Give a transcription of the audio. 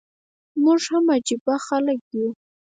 موږ هم عجبه خلک يو.